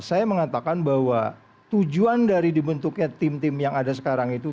saya mengatakan bahwa tujuan dari dibentuknya tim tim yang ada sekarang itu